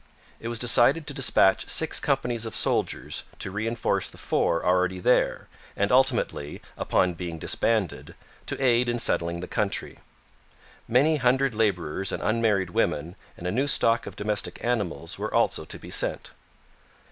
It was decided to dispatch six companies of soldiers to reinforce the four already there, and ultimately, upon being disbanded, to aid in settling the country. Many hundred labourers and unmarried women and a new stock of domestic animals were also to be sent.